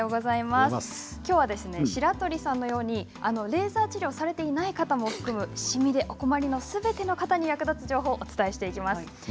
きょうは白鳥さんのようにレーザー治療をされていない方も含むシミでお悩みのすべての方に役立つ情報をお伝えします。